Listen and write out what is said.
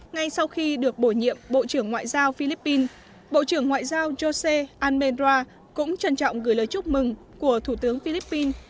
ngay sau khi được bổ nhiệm bộ trưởng ngoại giao philippines bộ trưởng ngoại giao jose alenra cũng trân trọng gửi lời chúc mừng của thủ tướng philippines